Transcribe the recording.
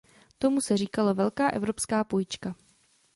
Tomu se říkalo velká evropská půjčka.